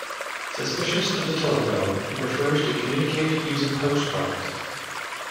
Suspicious of the telephone, he prefers to communicate using postcards.